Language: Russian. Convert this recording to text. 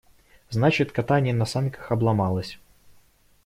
Значит, катание на санках «обломалось».